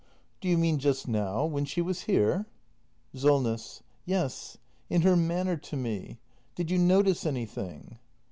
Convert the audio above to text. Do you mean just now, when she was here? SOLNESS. Yes, in her manner to me. Did you notice anything